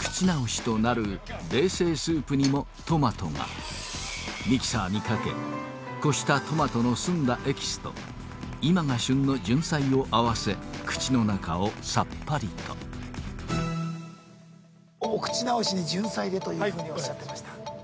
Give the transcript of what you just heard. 口直しとなる冷製スープにもトマトがミキサーにかけ濾したトマトの澄んだエキスと今が旬のじゅんさいを合わせ口の中をさっぱりとお口直しにじゅんさいでというふうにおっしゃってました